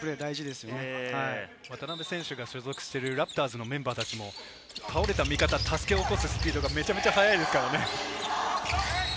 渡邊選手が所属しているラプターズのメンバーたちも倒れた味方を起こすスピードがめちゃくちゃ早いですからね。